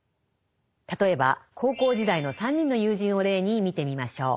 例えば高校時代の３人の友人を例に見てみましょう。